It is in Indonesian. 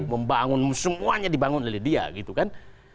membangun semuanya dibangun oleh dia gitu kan